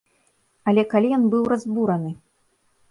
Але калі ён быў разбураны?